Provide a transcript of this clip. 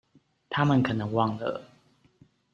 她們可能忘了